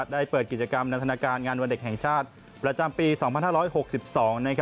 ได้เปิดกิจกรรมนันทนาการงานวันเด็กแห่งชาติประจำปี๒๕๖๒